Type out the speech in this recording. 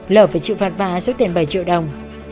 lở phải chịu phạt vạ số tiền bảy triệu đồng